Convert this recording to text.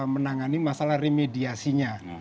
menangani masalah remediasinya